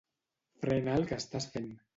Frena el que estàs fent.